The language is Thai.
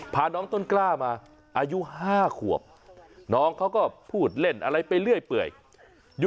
พาน้องต้นกล้ามาอายุ๕ขวบน้องเขาก็พูดเล่นอะไรไปเรื่อยเปื่อยอยู่